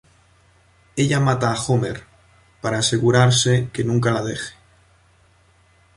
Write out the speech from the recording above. Ella mata a Homer para asegurarse que nunca la deje.